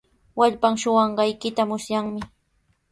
Wallpan suqanqaykita musyanmi.